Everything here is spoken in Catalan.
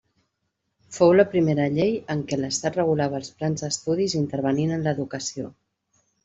Fou la primera llei en què l'Estat regulava els plans d'estudis intervenint en l'educació.